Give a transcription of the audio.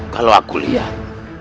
kalau aku lihat